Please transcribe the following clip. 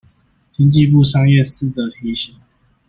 經濟部商業司則提醒